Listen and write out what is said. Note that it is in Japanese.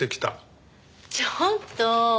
ちょっと！